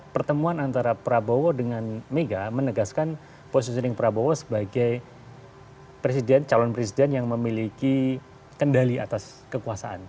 pertemuan antara prabowo dengan mega menegaskan positioning prabowo sebagai presiden calon presiden yang memiliki kendali atas kekuasaan